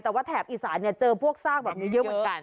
แต่ว่าแถบอิศานเจอพวกสร้างบางอย่างเยอะเหมือนกัน